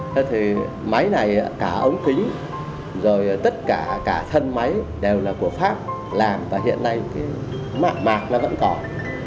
thế thì máy này cả ống kính rồi tất cả cả thân máy đều là của pháp làm và hiện nay mạng mạc nó vẫn còn